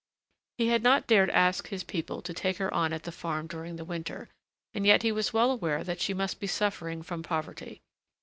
He had not dared ask his people to take her on at the farm during the winter, and yet he was well aware that she must be suffering from poverty.